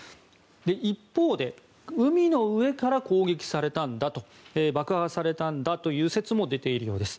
一方で海の上から攻撃されたんだという爆破されたんだという説も出ているようです。